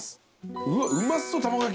うわっうまそう卵焼き。